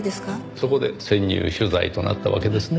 そこで潜入取材となったわけですね。